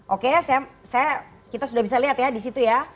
oke kita sudah bisa lihat ya di situ ya